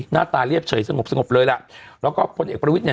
หน้าตาเรียบเฉยสงบสงบเลยล่ะแล้วก็พลเอกประวิทย์เนี่ย